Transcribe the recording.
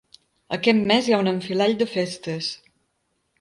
Aquest mes hi ha un enfilall de festes.